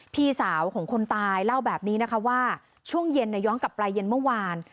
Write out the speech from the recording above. พี่สาวของคนตายเล่าแบบนี้นะคะว่าช่วงเย็นย้อนกลับปลายเย็นเมื่อวาน